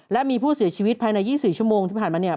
และมีผู้เสียชีวิตภายใน๒๔ชั่วโมงที่ผ่านมาเนี่ย